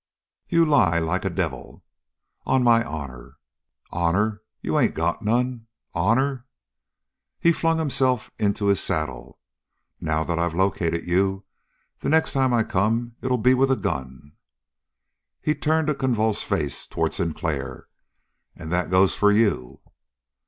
"You lie like a devil!" "On my honor." "Honor? You ain't got none! Honor!" He flung himself into his saddle. "Now that I've located you, the next time I come it'll be with a gun." He turned a convulsed face toward Sinclair. "And that goes for you."